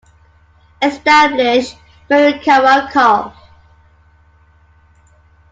Established Marukawa Conf.